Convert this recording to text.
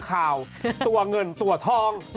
ตัวเงินตัวทอง